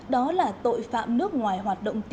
đó là tội phạm nước ngoài hoạt động